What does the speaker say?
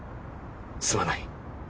すまない。